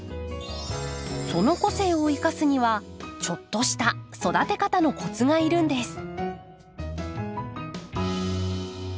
その個性を生かすにはちょっとした育て方のコツがいるんです。